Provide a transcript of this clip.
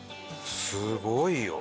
すごいよ。